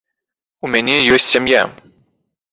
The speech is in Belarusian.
У мяне ёсць сям'я.